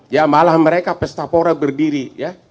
ya malah mereka pestapora berdiri ya